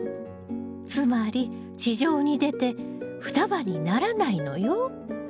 つまり地上に出て双葉にならないのよ。